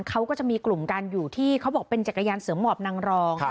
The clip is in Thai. เขาก็จะมีกลุ่มการอยู่ที่เขาบอกเป็นจักรยานเสริมหมอบนางรอง